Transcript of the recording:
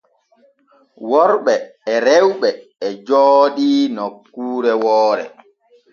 Worɓe e rewɓe e jooɗodii nokkure woore.